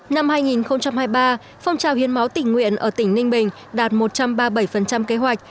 năm hai nghìn hai mươi ba phong trào hiến máu tỉnh nguyện ở tỉnh ninh bình đạt một trăm ba mươi bảy kế hoạch